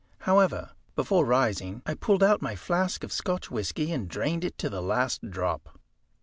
However, before rising, I pulled out my flask of Scotch whisky, and drained it to the last drop.